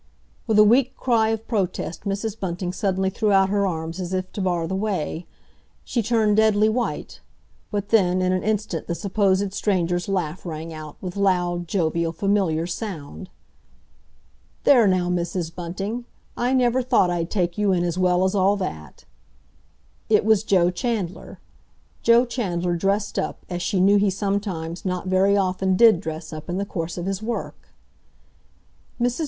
With a weak cry of protest Mrs. Bunting suddenly threw out her arms as if to bar the way; she turned deadly white—but then, in an instant the supposed stranger's laugh rang out, with loud, jovial, familiar sound! "There now, Mrs. Bunting! I never thought I'd take you in as well as all that!" It was Joe Chandler—Joe Chandler dressed up, as she knew he sometimes, not very often, did dress up in the course of his work. Mrs.